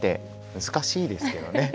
難しいですよね？